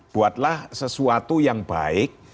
buatlah sesuatu yang baik